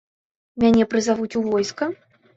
Мяне прызавуць у войска?